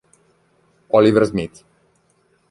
Oliver Smith